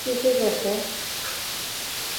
কে কে গেছে?